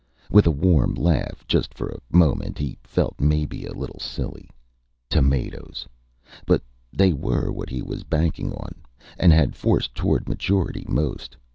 With a warm laugh. Just for a moment he felt maybe a little silly. Tomatoes! But they were what he was banking on, and had forced toward maturity, most.